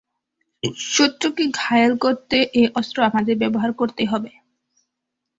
শত্রুকে ঘায়েল করতে এ অস্ত্র আমাদের ব্যবহার করতেই হবে।